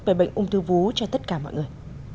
về bệnh ung thư vú cho tất cả mọi người